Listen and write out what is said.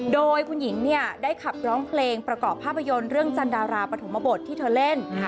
โดยคุณหญิงเนี่ยได้ขับร้องเพลงประกอบภาพยนตร์เรื่องจันดาราปฐมบทที่เธอเล่น